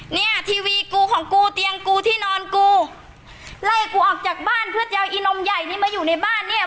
เนี่ยทีวีกูของกูเตียงกูที่นอนกูไล่กูออกจากบ้านเพื่อจะเอาอีนมใหญ่นี้มาอยู่ในบ้านเนี่ย